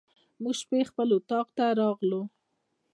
موږ شپې خپل اطاق ته راغلو.